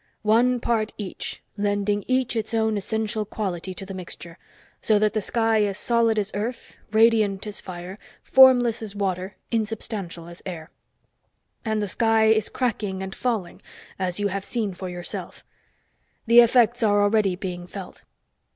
One part each, lending each its own essential quality to the mixture, so that the sky is solid as earth, radiant as fire, formless as water, insubstantial as air. And the sky is cracking and falling, as you have seen for yourself. The effects are already being felt.